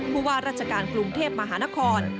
ผู้ว่าราชการกรุงเทพมหานคร